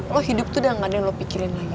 lo hidup tuh udah gak ada yang lo pikirin lagi